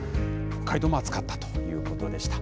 北海道も暑かったということでした。